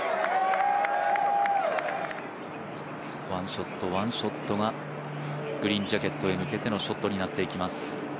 １ショット１ショットがグリーンジャケットへ向けてのショットになっていきます。